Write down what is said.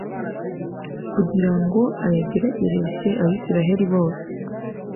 kugira ngo ayageragereshe abayisraheli bose